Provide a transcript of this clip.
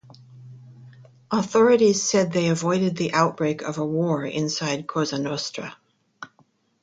Authorities said they avoided the outbreak of a war inside Cosa Nostra.